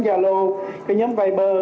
gia lô nhóm viper